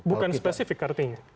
bukan spesifik artinya